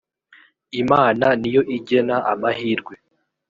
imana niyo igena amahirwe.